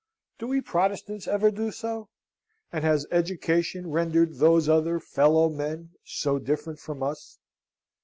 Do we Protestants ever do so; and has education rendered those other fellow men so different from us?